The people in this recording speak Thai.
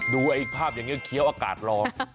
ดูไอ้ภาพยังเยอะเคี้ยวอากาศรอ